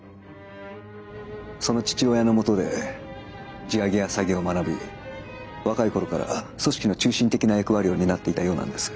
その父親のもとで地上げや詐欺を学び若い頃から組織の中心的な役割を担っていたようなんです。